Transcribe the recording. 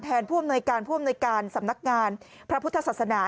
ผู้อำนวยการผู้อำนวยการสำนักงานพระพุทธศาสนา